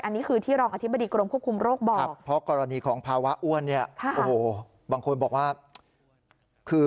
อันนี้คือที่รองอธิบดีกรมควบคุมโรคบอก